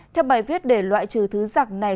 theo bài viết để loại trừ thứ giặc này